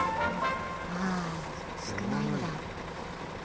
ああ少ないんだ。